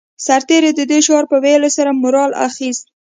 سرتېرو د دې شعار په ويلو سره مورال اخیست